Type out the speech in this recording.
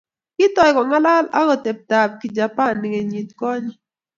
kitoi kong'alal ak otebetab Kijapani kenyitkonye